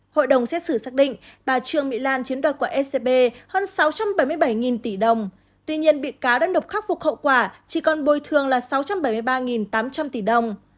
hội đồng xét xử xác định bà trương mỹ lan chiếm đoạt của scb hơn sáu trăm bảy mươi bảy tỷ đồng tuy nhiên bị cáo đã nộp khắc phục hậu quả chỉ còn bồi thường là sáu trăm bảy mươi ba tám trăm linh tỷ đồng